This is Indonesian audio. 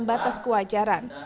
masih dalam batas kewajaran